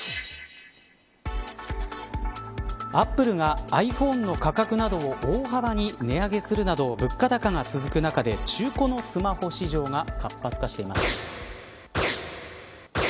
アップルがｉＰｈｏｎｅの価格などを大幅に値上げするなど物価高が続く中で中古のスマホ市場が活発化しています。